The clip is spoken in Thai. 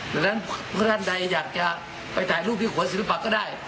ดั่งนั้นพระท่านใดอยากจะไปถ่ายรูปที่หัวศิรภาคก็ได้